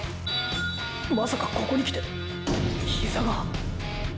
まさかここにきてヒザが！！